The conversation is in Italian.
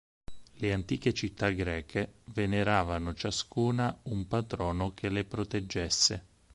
Le antiche città greche veneravano ciascuna un patrono che le proteggesse.